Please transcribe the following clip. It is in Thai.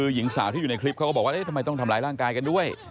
หญิงสาวที่อยู่ในคลิปเขาก็บอกว่าทำไมต้องทำร้ายร่างกายกันด้วย